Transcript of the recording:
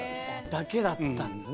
だけだったんですね。